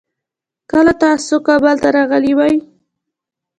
کله تاسو کابل ته راغلې وي؟